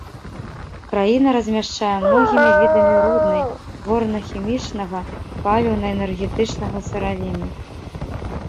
Краіна размяшчае многімі відамі руднай, горна-хімічнага, паліўна-энергетычнага сыравіны.